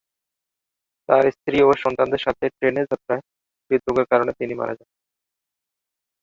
তার স্ত্রী ও সন্তানদের সাথে ট্রেনের যাত্রায় হৃদরোগের কারণে তিনি মারা যান।